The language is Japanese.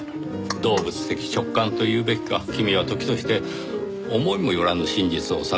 動物的直感と言うべきか君は時として思いも寄らぬ真実を探り当てますねぇ。